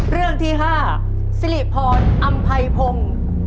เรื่องที่๕สิริพรอำไพพงศ์